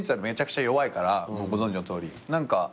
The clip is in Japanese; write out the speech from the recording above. めちゃくちゃ弱いからご存じのとおり。